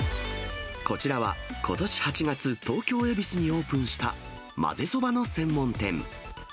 こちらはことし８月、東京・恵比寿にオープンしたまぜそばの専門店。